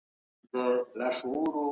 کار بې پوهي ستونزي جوړوي